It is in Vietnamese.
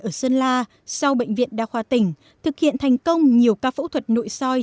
ở sơn la sau bệnh viện đa khoa tỉnh thực hiện thành công nhiều ca phẫu thuật nội soi